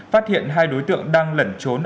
phát hiện hai đối tượng đang lẩn trốn